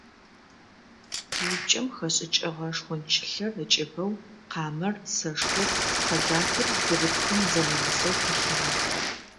Упкӏэм хэшӏыкӏыгъэ шхончылъэр ыкӏыбэу, къамэр, сэшхор, къэлатыр бгырыпхым зэнэмысэу пылъыгъэх.